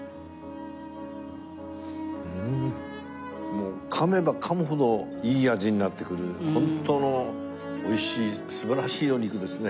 もう噛めば噛むほどいい味になってくるホントの美味しい素晴らしいお肉ですね。